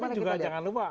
tapi juga jangan lupa